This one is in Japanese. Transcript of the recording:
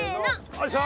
よいしょ。